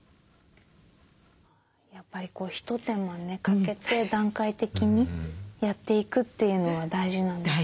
やっぱり一手間かけて段階的にやっていくというのは大事なんですね。